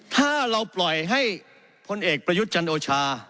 ถ้าเราปล่อยให้พลเอกประยุทธ์จันโอชา